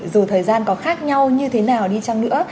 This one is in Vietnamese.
dù thời gian có khác nhau như thế nào đi chăng nữa